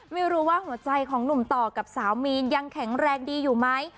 ไม่รู้ว่าหัวใจของหนุ่มต่อกับสาวมีนยังแข็งแรงดีอยู่ไหม